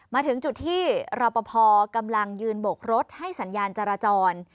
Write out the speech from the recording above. มาถึงจุดที่รอปภกำลังยืนบกรถให้สัญญาณจราจร